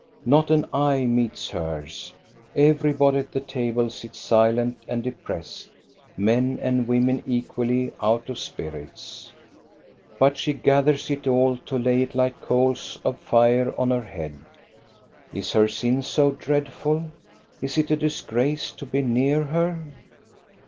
Not an eye meets hers* Everybody at the table sits silent and depressed, men and women equally out of spirits. But she gathers it all to lay it like coals of fire on her head. Is her sin so dreadful? Is it a disgrace to be near her?